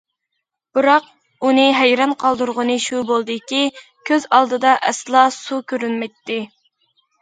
بىراق، ئۇنى ھەيران قالدۇرغىنى شۇ بولدىكى، كۆز ئالدىدا ئەسلا سۇ كۆرۈنمەيتتى.